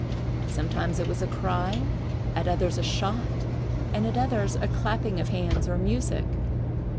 Sometimes it was a cry, at others, a shot, and at others, a clapping of hands or music.